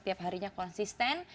setiap harinya konsisten